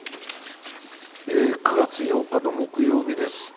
９月８日の木曜日です。